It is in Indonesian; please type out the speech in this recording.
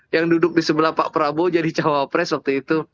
yang duduk di sebelah pak prabowo jadi cawapres waktu itu